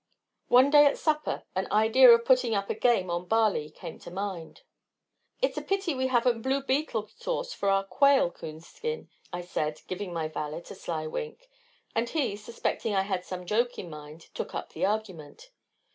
One day at supper, an idea of putting up a game on Barley came to mind. "It's a pity we haven't blue beetle sauce for our quail, Coonskin," I said, giving my valet a sly wink, and he, suspecting I had some joke in mind, took up the argument.